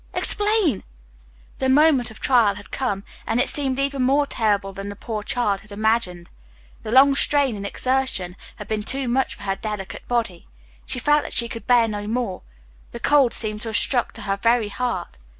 explain!" The moment of trial had come, and it seemed even more terrible than the poor child had imagined. The long strain and exertion had been too much for her delicate body. She felt that she could bear no more; the cold seemed to have struck to her very heart.